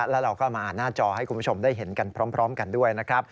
แล้วเราก็มาอ่านหน้าจอให้คุณผู้ชมได้เห็นกันพร้อมกันด้วยนะครับ